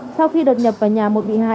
sau khi đột nhập vào nhà một bị hại